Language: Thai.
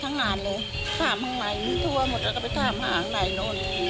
ทั่วหมดและก็ไปถามหาหลังในนน